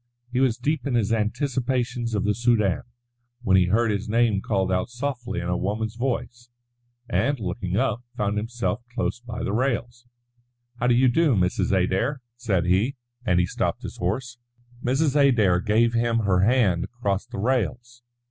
He was deep in his anticipations of the Soudan, when he heard his name called out softly in a woman's voice, and, looking up, found himself close by the rails. "How do you do, Mrs. Adair?" said he, and he stopped his horse. Mrs. Adair gave him her hand across the rails.